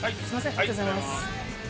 ありがとうございます。